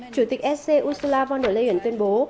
chủ tịch ec ursula von der leyen tuyên bố